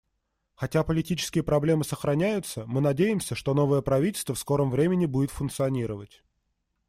Хотя политические проблемы сохраняются, мы надеемся, что новое правительство в скором времени будет функционировать.